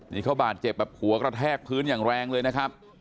นี่เขาบาดเจ็บแบบหัวกระแทกพื้นอย่างแรงเลยนะครับ